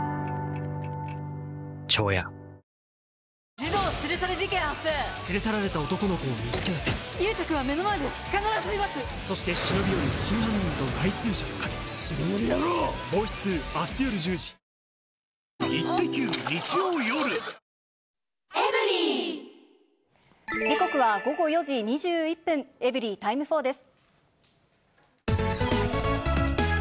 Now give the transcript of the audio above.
時刻は午後４時２１分、エブリィタイム４です。